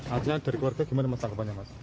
aja dari keluarga gimana mas tanggapannya mas